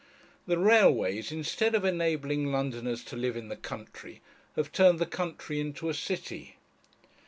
The railways, instead of enabling Londoners to live in the country, have turned the country into a city.